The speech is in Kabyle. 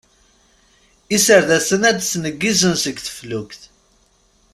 Iserdasen a d-nettneggizen seg teflukt.